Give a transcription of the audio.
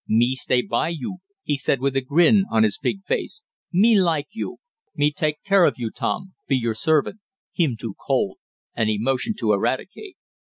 "Me stay by you," he said with a grin on his big face. "Me like you! Me take care of you, Tom be your servant. Him too old," and he motioned to Eradicate.